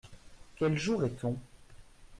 Quel jour est-on ?